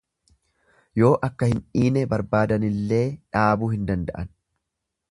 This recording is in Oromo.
Yoo akka hin dhiine barbaadanillee dhaabuu hin danda'an.